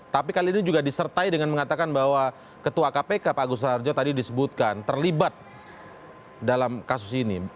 tapi kali ini juga disertai dengan mengatakan bahwa ketua kpk pak agus rarjo tadi disebutkan terlibat dalam kasus ini